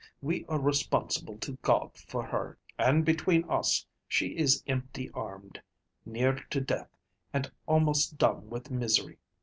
We are responsible to God for her, and between us, she is empty armed, near to death, and almost dumb with misery.